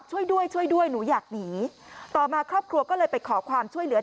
ช่วยด้วยช่วยด้วยหนูอยากหนีต่อมาครอบครัวก็เลยไปขอความช่วยเหลือ